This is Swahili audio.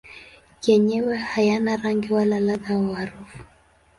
Yenyewe hayana rangi wala ladha au harufu.